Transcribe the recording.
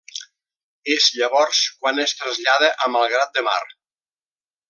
És llavors quan es trasllada a Malgrat de Mar.